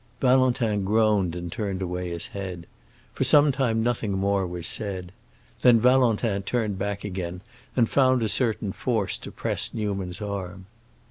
Valentin groaned and turned away his head. For some time nothing more was said. Then Valentin turned back again and found a certain force to press Newman's arm.